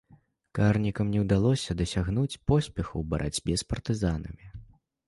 Карнікам не ўдалося дасягнуць поспеху ў барацьбе з партызанамі.